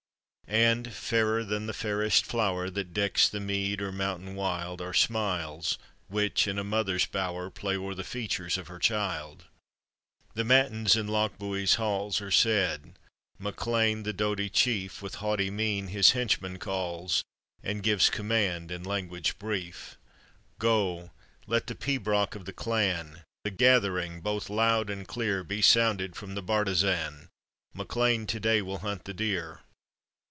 And fairer than the fairest flower That decks the mead or mountain wild Are smiles, which, in a mother's bower, Play o'er the features of her child. The matins in Lochbuie's halls Are said : Mac Lean, the doughty chief, With haughty mein his henchman calls, And gives command in language brief. "Go; let the pibroch of the clan The gathering, both loud and clear, Be sounded from the bartizan, MacLean to day will hunt the deer.